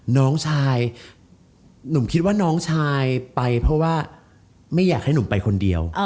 น้องชายหนุ่มคิดว่าน้องชายไปเพราะว่าไม่อยากให้หนุ่มไปคนเดียว